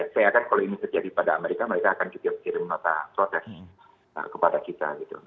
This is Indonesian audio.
saya akan kalau ini terjadi pada amerika mereka akan juga kirim nota protes kepada kita gitu